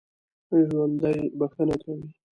ژوندي بښنه کوي